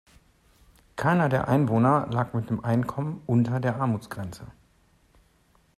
Keiner der Einwohner lag mit dem Einkommen unter der Armutsgrenze.